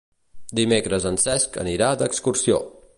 Dimecres en Cesc anirà d'excursió.